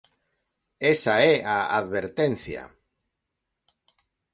Esa é a advertencia.